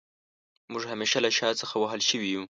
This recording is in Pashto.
موږ همېشه له شا څخه وهل شوي يو